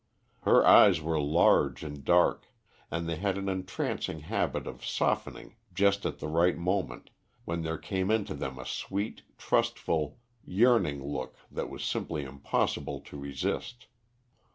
Her eyes were large and dark, and they had an entrancing habit of softening just at the right moment, when there came into them a sweet, trustful, yearning look that was simply impossible to resist.